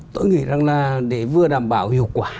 tôi nghĩ rằng là để vừa đảm bảo hiệu quả